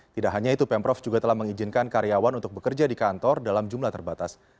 tidak hanya itu pemprov juga telah mengizinkan karyawan untuk bekerja di kantor dalam jumlah terbatas